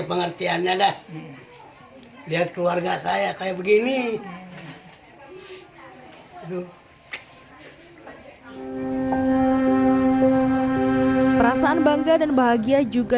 pengertiannya dah lihat keluarga saya kayak begini aduh perasaan bangga dan bahagia juga